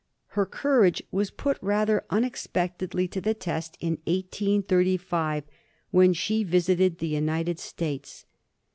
Her courage was put rather unexpectedly to the test in 1835, when she visited the United States.